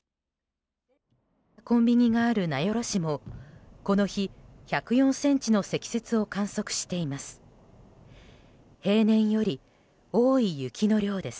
コンビニがある名寄市もこの日、１０４ｃｍの積雪を観測しています。